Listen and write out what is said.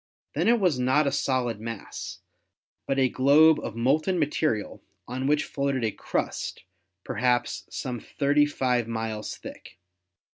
Then it was not a solid mass, but a globe of molten material on which floated a crust perhaps some thirty five miles thick.